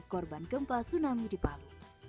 korban gempa tsunami di palu